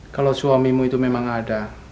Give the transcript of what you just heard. kau benar juga selalu menyesuksikan aku